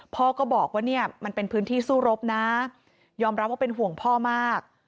พ่อก็บอกว่าเนี่ยมันเป็นพื้นที่สู้รบนะยอมรับว่าเป็นห่วงพ่อมาก